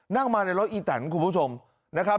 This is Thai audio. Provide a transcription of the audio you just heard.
นั่งมาในรถอีแตนคุณผู้ชมนะครับ